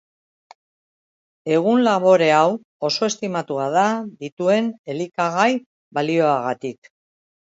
Egun labore hau oso estimatua da dituen elikagai-balioagatik.